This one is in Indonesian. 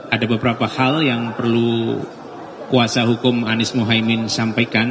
ada beberapa hal yang perlu kuasa hukum anies mohaimin sampaikan